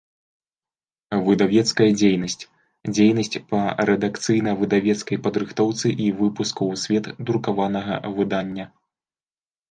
Выдавецкая дзейнасць – дзейнасць па рэдакцыйна-выдавецкай падрыхтоўцы i выпуску ў свет друкаванага выдання.